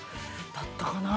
だったかな。